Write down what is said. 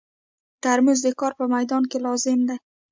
ترموز د کار په مېدان کې لازم دی.